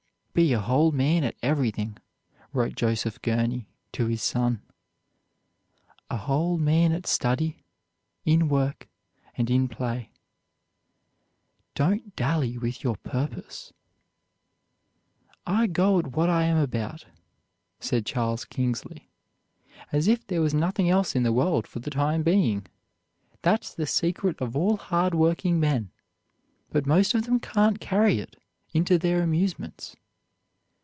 "Be a whole man at everything," wrote Joseph Gurney to his son, "a whole man at study, in work, and in play." Don't dally with your purpose. "I go at what I am about," said Charles Kingsley, "as if there was nothing else in the world for the time being. That's the secret of all hard working men; but most of them can't carry it into their amusements."